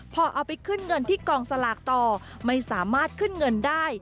พอเอาไปขึ้นเงินที่กองสลากต่อไม่สามารถขึ้นเงินได้